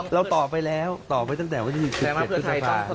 เราต่อไปแล้วต่อไปตั้งแต่วันที่๑๗รุษฎาบาล